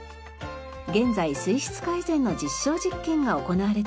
現在水質改善の実証実験が行われています。